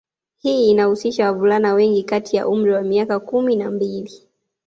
Hii inahusisha wavulana wengi kati ya umri wa miaka kumi na mbili